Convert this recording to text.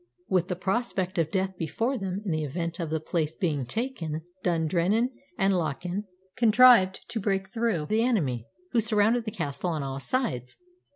With the prospect of death before them in the event of the place being taken, Dundrennan and Lochan contrived to break through the enemy, who surrounded the castle on all sides.